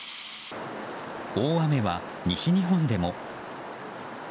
大雨は西日本でも。